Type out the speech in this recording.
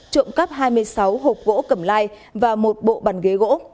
trộm cắp hai mươi sáu hộp gỗ cầm lai và một bộ bàn ghế gỗ